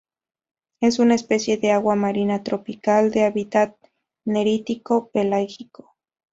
Es una especie de agua marina tropical, de hábitat nerítico-pelágico.